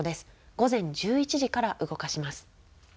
午前１１時から動かします。